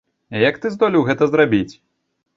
Як ты здолеў гэта зрабіць????